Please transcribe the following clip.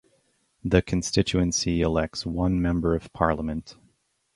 The constituency elects one Member of Parliament.